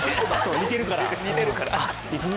似てるから。